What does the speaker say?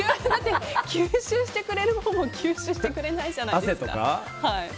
吸収してくれるものも吸収してくれないじゃないですか。